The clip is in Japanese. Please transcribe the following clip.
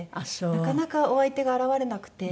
なかなかお相手が現れなくて。